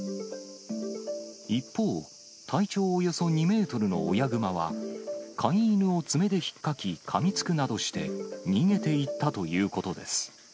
一方、体長およそ２メートルの親熊は、飼い犬を爪でひっかき、かみつくなどして、逃げていったということです。